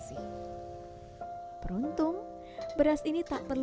suami landep telah meninggal